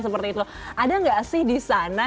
seperti itu ada nggak sih di sana